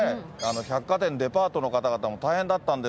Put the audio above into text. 百貨店デパートの方々も大変だったんですけど